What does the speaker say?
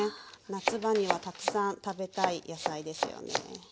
夏場にはたくさん食べたい野菜ですよね。